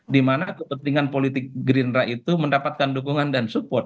dimana kepentingan politik gerindra itu mendapatkan dukungan dan support